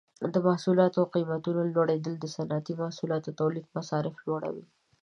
د محصولاتو د قیمتونو لوړیدل د صنعتي محصولاتو تولید مصارف لوړوي.